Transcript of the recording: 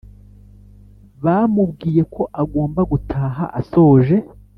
bamubwiye ko agomba gutaha asoje